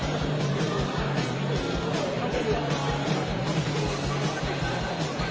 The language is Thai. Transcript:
เวลาที่มันได้รู้จักกันแล้วเวลาที่ไม่รู้จักกัน